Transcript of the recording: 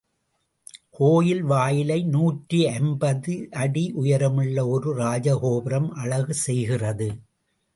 கோயில் வாயிலை நூற்றி ஐம்பது அடி உயரமுள்ள ஒரு ராஜகோபுரம் அழகு செய்கிறது.